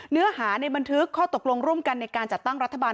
เนื้อหาในบันทึกข้อตกลงร่วมกันในการจัดตั้งรัฐบาล